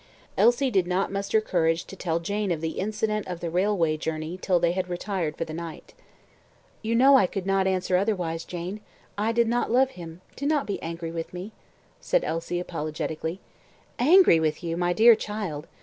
Elsie did not muster courage to tell Jane of the incident of the railway journey till they had retired for the night. "You know I could not answer otherwise, Jane; I did not love him; do not be angry with me," said Elsie, apologetically. "Angry with you my dear child!